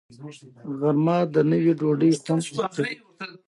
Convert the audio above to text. غرمه د نیوي ډوډۍ خوند زیاتوي